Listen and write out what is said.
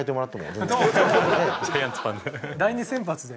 ねえ第２先発で。